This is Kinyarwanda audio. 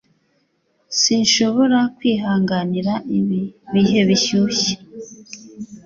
Sinshobora kwihanganira ibi bihe bishyushye.